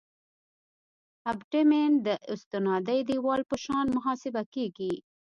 ابټمنټ د استنادي دیوال په شان محاسبه کیږي